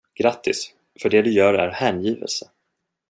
Grattis, för det du gör är hängivelse!